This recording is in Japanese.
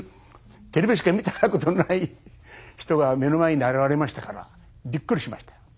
テレビしか見たことない人が目の前に現れましたからびっくりしました。